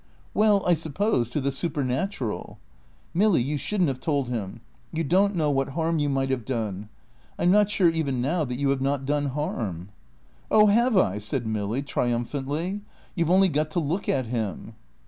"Well, I suppose, to the supernatural." "Milly, you shouldn't have told him. You don't know what harm you might have done. I'm not sure even now that you have not done harm." "Oh, have I!" said Milly, triumphantly. "You've only got to look at him."